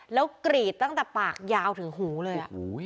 แล้วกรีดตั้งแต่ปากยาวถึงหูเลย